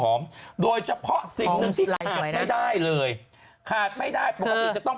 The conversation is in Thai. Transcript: หอมโดยจะพอสิ่งหนึ่งที่ขาดไม่ได้เลยขาดไม่ได้คือต้อง